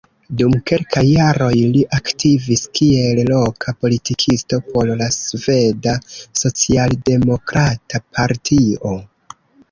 Dum kelkaj jaroj li aktivis kiel loka politikisto por la Sveda Socialdemokrata Partio.